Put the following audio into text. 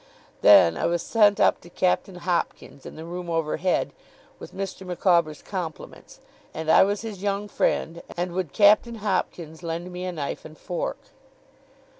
Then I was sent up to 'Captain Hopkins' in the room overhead, with Mr. Micawber's compliments, and I was his young friend, and would Captain Hopkins lend me a knife and fork.